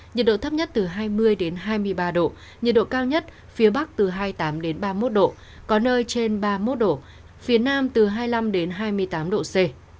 nhiệt độ thấp nhất từ hai mươi hai mươi ba độ nhiệt độ cao nhất phía bắc từ hai mươi tám ba mươi một độ có nơi trên ba mươi một độ phía nam từ hai mươi năm hai mươi tám độ c